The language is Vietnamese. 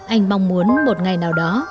anh mong muốn một ngày nào đó